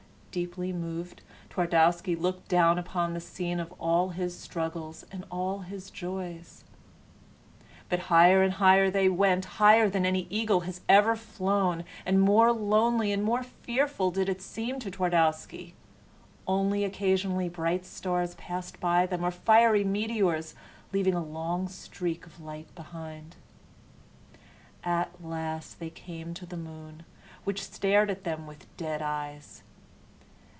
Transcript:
Deeply moved, Twardowski looked down upon the scene of all his struggles and all his joys. But higher and higher they went higher than any eagle has ever flown and more lonely and more fearful did it seem to Twardowski. Only occasionally bright stars passed by them, or fiery meteors, leaving a long streak of light behind. At last they came to the moon, which stared at them with dead eyes.